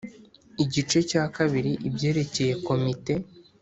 Igice cya kabiri ibyerekeye Komite